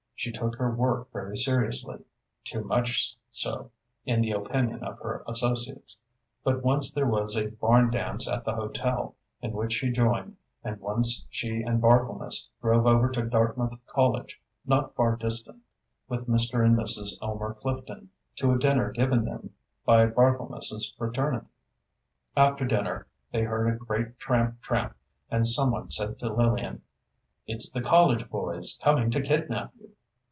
She took her work very seriously—too much so, in the opinion of her associates. But once there was a barn dance at the hotel, in which she joined; and once she and Barthelmess drove over to Dartmouth College, not far distant, with Mr. and Mrs. Elmer Clifton, to a dinner given them by Barthelmess's fraternity. After dinner, they heard a great tramp, tramp, and someone said to Lillian: "It's the college boys, coming to kidnap you."